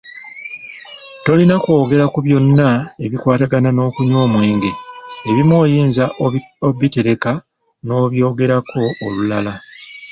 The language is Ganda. Tolina kwogera ku byonna ebikwatagana n’okunywa omwenge, ebimu oyinza obitereka n’obyogerako olulala.